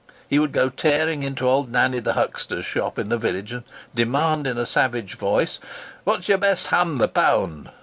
He would go tearing into old Nanny the huxter's shop in the village, and demand in a savage voice, 'What's ye'r best ham the pund?